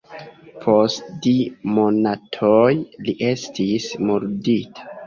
Post du monatoj li estis murdita.